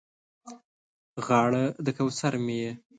غاړه د کوثر مې یې